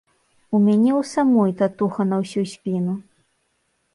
У мяне ў самой татуха на ўсю спіну.